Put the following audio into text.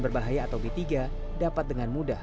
berbahaya atau b tiga dapat dengan mudah